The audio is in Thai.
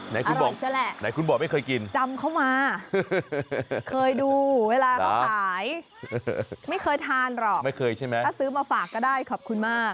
อร่อยใช่ไหมจำเขามาเคยดูเวลาเขาขายไม่เคยทานหรอกถ้าซื้อมาฝากก็ได้ขอบคุณมาก